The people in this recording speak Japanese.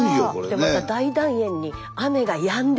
でも大団円に雨がやんで。